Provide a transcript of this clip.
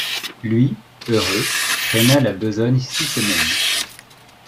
Lui, heureux, traîna la besogne six semaines.